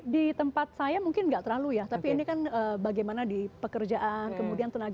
di tempat saya mungkin tidak terlalu ya tapi ini kan bagaimana di pekerjaan